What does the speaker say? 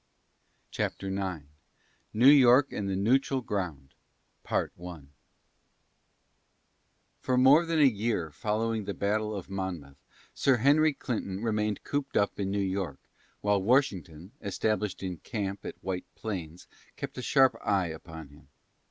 CHAPTER IX NEW YORK AND THE "NEUTRAL GROUND" For more than a year following the battle of Monmouth, Sir Henry Clinton remained cooped up in New York, while Washington, established in camp at White Plains, kept a sharp eye upon him.